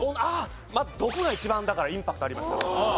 毒が一番だからインパクトありました。